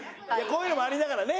こういうのもありながらね。